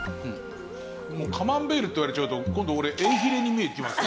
もうカマンベールって言われちゃうと今度俺えいひれに見えてきます。